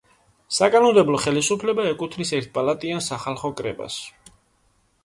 საკანონმდებლო ხელისუფლება ეკუთვნის ერთპალატიან სახალხო კრებას.